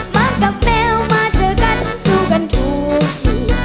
มากับแมวมาเจอกันสู้กันถูก